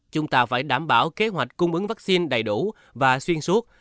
chúng ta phải đảm bảo kế hoạch cung ứng vaccine đầy đủ và xuyên suốt